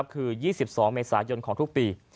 คือ๒๒เมษายนของทุกปี